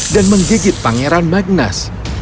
dan menggigit pangeran magnus